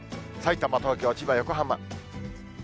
さいたま、東京、千葉、横浜。